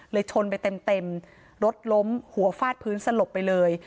เลยชนไปเต็มรถล้มหัวฟาดพื้นสลบไปเลย